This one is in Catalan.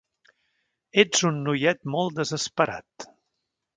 Ets un noiet molt desesperat.